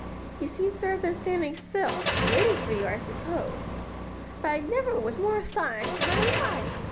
"He seems to have been standing still (waiting for you, I suppose); but I never was more astonished in my life!"